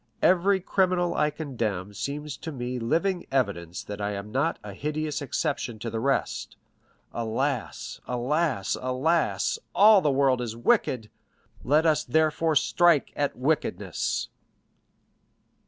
Every criminal I condemn seems to me living evidence that I am not a hideous exception to the rest. Alas, alas, alas; all the world is wicked; let us therefore strike at wickedness!"